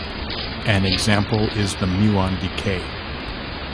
An example is the muon decay.